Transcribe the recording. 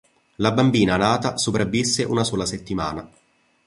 La bambina nata sopravvisse una sola settimana.